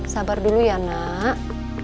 sabar dulu ya nak